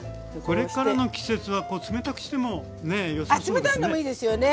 これからの季節は冷たくしてもねよさそうですね。